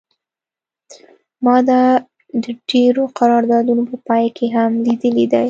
ما دا د ډیرو قراردادونو په پای کې هم لیدلی دی